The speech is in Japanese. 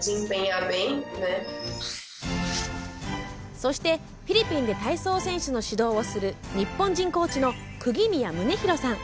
そして、フィリピンで体操選手の指導をする日本人コーチの釘宮宗大さん。